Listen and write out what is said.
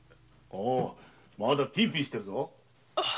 まだピンピンしてるぞ。